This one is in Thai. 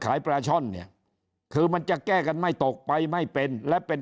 ปลาช่อนเนี่ยคือมันจะแก้กันไม่ตกไปไม่เป็นและเป็น